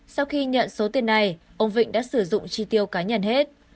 sau khi nhận số tiền này ông vịnh đã sử dụng chi tiêu cá nhân hết